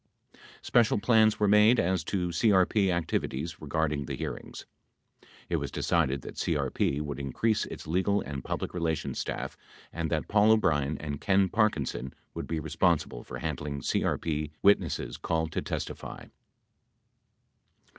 7 Special plans were made as to CRP activities regarding the hear ings. It was decided that CRP would increase its legal and public relations staff and that Paul O'Brien and Ken Parkinson would be responsible for handling CRP witnesses called to testify.